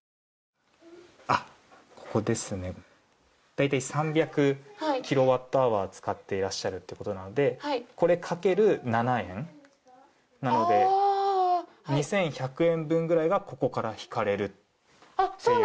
大体３００キロワットアワー使っていらっしゃるということなのでこれ掛ける７円なので２１００円分ぐらいがここから引かれるという。